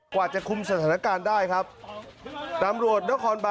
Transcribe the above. กว่าจะคุ้มสถานการณ์ได้ครับตำรวจนครบาลพระราชวัง